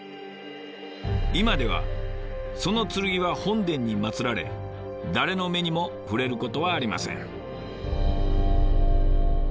今ではその剣は本殿にまつられ誰の目にも触れることはありません。